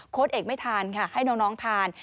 เอกไม่ทานค่ะให้น้องทาน